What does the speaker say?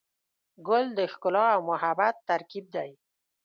ګل د ښکلا او محبت ترکیب دی.